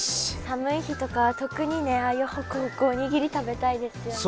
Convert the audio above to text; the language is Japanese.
寒い日とかは特にねああいうほくほくおにぎり食べたいですよね。